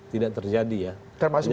tidak terjadi ya termasuk